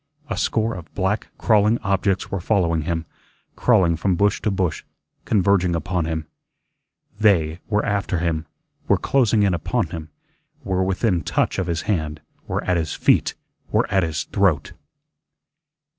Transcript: A score of black, crawling objects were following him, crawling from bush to bush, converging upon him. "THEY" were after him, were closing in upon him, were within touch of his hand, were at his feet WERE AT HIS THROAT.